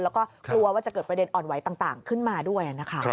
แล้วก็กลัวว่าจะเกิดประเด็นอ่อนไหวต่างขึ้นมาด้วยนะคะ